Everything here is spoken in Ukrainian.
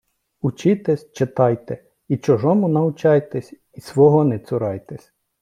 Учітесь, читайте, і чужому научайтесь, й свого не цурайтесь